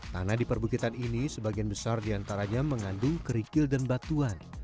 tanah di perbukitan ini sebagian besar diantaranya mengandung kerikil dan batuan